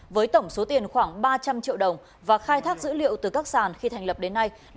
với tổng số tiền khoảng ba trăm linh triệu đồng và khai thác dữ liệu từ các sàn khi thành lập đến nay